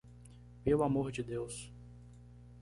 Pelo amor de Deus